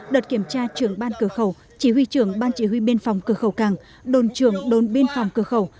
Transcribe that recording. đợt kiểm tra trưởng ban cửa khẩu chỉ huy trưởng ban chỉ huy biên phòng cửa khẩu càng đồn trưởng đồn biên phòng cửa khẩu